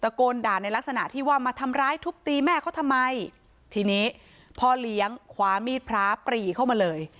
โกนด่าในลักษณะที่ว่ามาทำร้ายทุบตีแม่เขาทำไมทีนี้พ่อเลี้ยงคว้ามีดพระปรีเข้ามาเลย